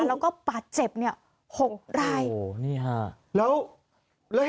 แล้วก็ปาดเจ็บหกราย